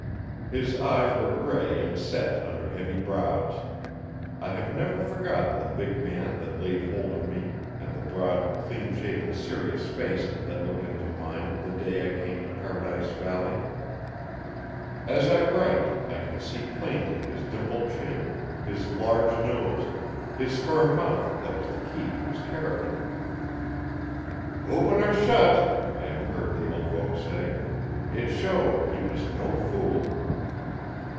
His eyes were grey and set under heavy brows. I have never forgotten the big man that laid hold of me and the broad clean shaven serious face, that looked into mine the day I came to Paradise Valley. As I write I can see plainly his dimpled chin, his large nose, his firm mouth that was the key to his character. 'Open or shet,' I have heard the old folks say, 'it showed he was no fool.'